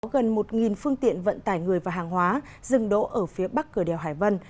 gần một phương tiện vận tải người và hàng hóa dừng đỗ ở phía bắc cửa đèo hải vân